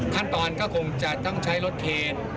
ขั้นตอนก็คงจะต้องใช้รถเคน